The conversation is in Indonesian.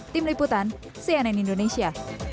tim liputan cnn indonesia